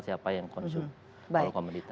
siapa yang konsumsi